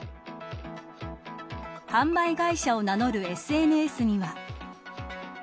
販売会社を名乗るＳＮＳには。